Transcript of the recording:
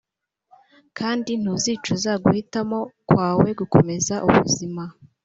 kandi ntuzicuza guhitamo kwawe gukomeza ubuzima.